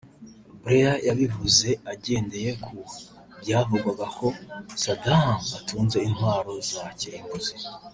Blair yabivuze agendeye ku byavugwaga ko Saddam atunze intwaro za kirimbuzi